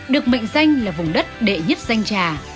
được mệnh danh là vùng đất đệ nhất danh trà